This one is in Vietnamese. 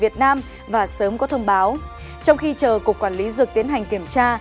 trong khi chờ cục quản lý dược tiến hành kiểm tra